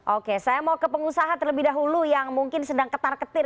oke saya mau ke pengusaha terlebih dahulu yang mungkin sedang ketar ketir